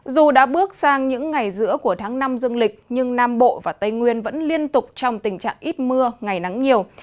dù đã bước sang những ngày giữa của tháng năm dương lịch nhưng nam bộ và tây nguyên vẫn liên tục trong tình trạng ít mưa ngày nắng nhiều